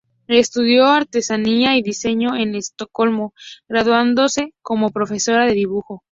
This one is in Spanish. Estudió artesanía y diseño en Estocolmo, graduándose como profesora de dibujo.